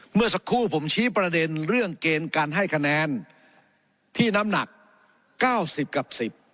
เมื่อสักครู่ผมชี้ประเด็นเรื่องเกณฑ์การให้คะแนนที่น้ำหนัก๙๐กับ๑๐